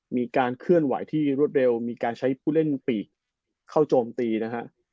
มีการเคลื่อนไหวที่รวดเร็วมีการใช้ผู้เล่นปีกเข้าโจมตีนะฮะ